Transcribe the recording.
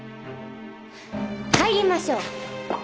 帰りましょう。